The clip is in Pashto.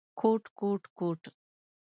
کوټ، کوټ ، کوټ ….